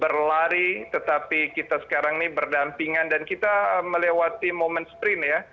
berlari tetapi kita sekarang ini berdampingan dan kita melewati momen sprint ya